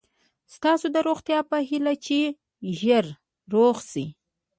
ستاسو د روغتیا په هیله چې ژر روغ شئ.